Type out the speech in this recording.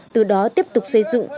từ đó tiếp tục xây dựng